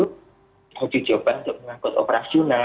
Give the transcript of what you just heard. itu juga menurut saya penuh jawaban untuk mengangkut operasional